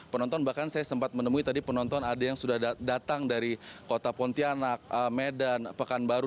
penonton bahkan saya sempat menemui tadi penonton ada yang sudah datang dari kota pontianak medan pekanbaru